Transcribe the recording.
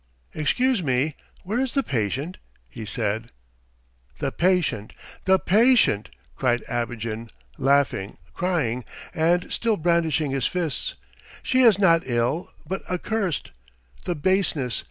"Excuse me, where is the patient?" he said. "The patient! The patient!" cried Abogin, laughing, crying, and still brandishing his fists. "She is not ill, but accursed! The baseness!